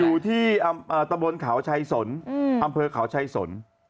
อยู่ที่ตะบนเขาชัยสนอำเภอเขาชัยสน